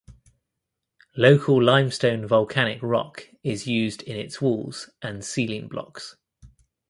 Local limestone volcanic rock is used in its walls and ceiling blocks.